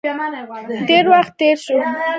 ډیر وخت تیر شو.